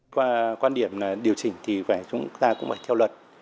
qua quan điểm điều chỉnh thì chúng ta cũng phải theo luật